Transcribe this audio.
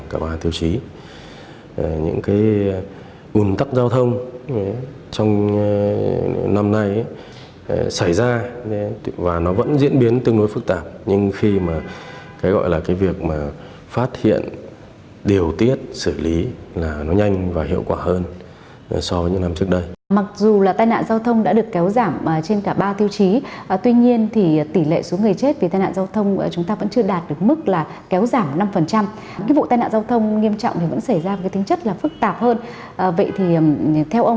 các bạn hãy đăng kí cho kênh lalaschool để không bỏ lỡ những video hấp dẫn